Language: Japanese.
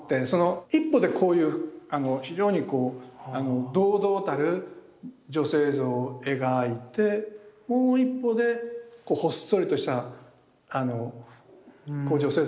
一方でこういう非常に堂々たる女性像を描いてもう一方でほっそりとした女性像を描きますよね。